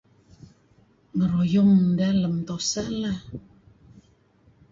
Lun ruyung deh lem tuseh Iah.